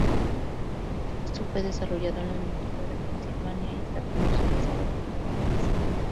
Esto fue desarrollado en la Universidad de Pensilvania y está comercializado por Novartis.